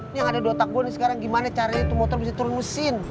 ini yang ada di otak gue sekarang gimana caranya itu motor bisa turun mesin